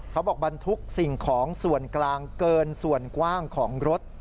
บรรทุกสิ่งของส่วนกลางเกินส่วนกว้างของรถ